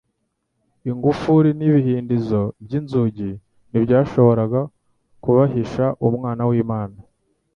Ingufuri n'ibihindizo by'inzugi ntibyashoboraga kubahisha Umwana w'Imana.